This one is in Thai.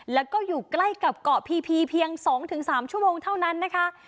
แล้วก็อยู่ใกล้กับเกาะพีพีเพียง๒๓ชั่วโมงเท่านั้นนะคะ